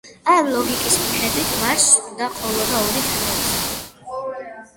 ამ ლოგიკის მიხედვით მარსს უნდა ყოლოდა ორი თანამგზავრი.